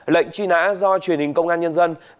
lệnh truy nã do truyền hình công an nhân dân